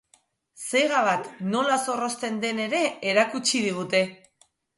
Sega bat nola zorrozten den ere erakutsi digute.